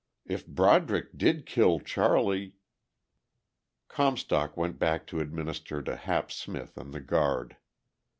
If Broderick did kill Charlie...." Comstock went back to administer to Hap Smith and the guard.